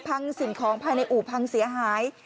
สิ่งของภายในอู่พังเสียหาย